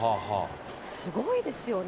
すごいですよね。